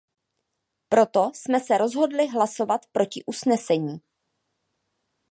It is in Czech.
Proto jsme se rozhodli hlasovat proti usnesení.